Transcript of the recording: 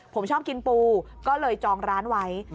ผมชอบกินปูก็เลยจองร้านไว้